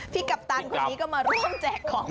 พี่กับตันคนนี้ก็มาร่วมแจกของของขวัญ